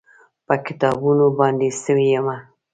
په کتابونو باندې سوی یمه